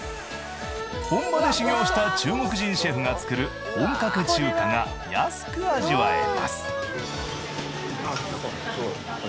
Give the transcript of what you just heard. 本場で修行した中国人シェフが作る本格中華が安く味わえます。